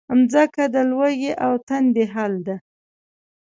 مځکه د لوږې او تندې حل ده.